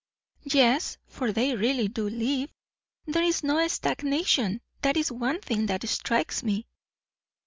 "Yes, for they really do live; there is no stagnation; that is one thing that strikes me."